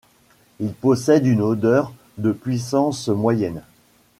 Il possède une odeur de puissance moyenne.